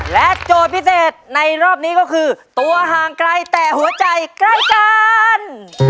โจทย์พิเศษในรอบนี้ก็คือตัวห่างไกลแต่หัวใจใกล้กัน